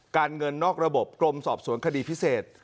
เงินนอกระบบกรมสอบสวนคดีพิเศษ